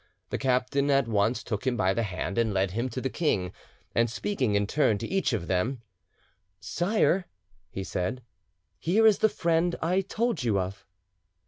The captain at once took him by the hand and led him to the king, and speaking in turn to each of them— "Sire," he said, "here is the friend. I told you of."